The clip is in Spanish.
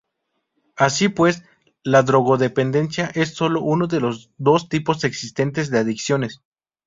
Así pues, la drogodependencia es solo uno de los dos tipos existentes de adicciones.